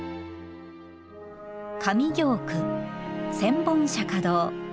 上京区、千本釈迦堂。